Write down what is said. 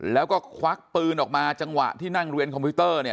แล้วก็ควักปืนออกมาจังหวะที่นั่งเรียนคอมพิวเตอร์เนี่ย